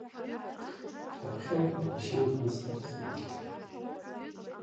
Раԥхьа маршьан Баз дыхәмарт.